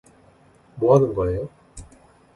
뭐 하는 거에요?